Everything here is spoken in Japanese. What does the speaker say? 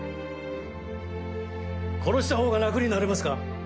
殺したほうが楽になれますか？